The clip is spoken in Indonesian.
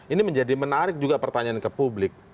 ini menjadi menarik juga pertanyaan ke publik